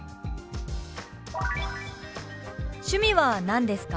「趣味は何ですか？」。